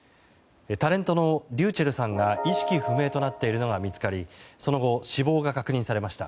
タレントのｒｙｕｃｈｅｌｌさんが意識不明となっているのが見つかりその後、死亡が確認されました。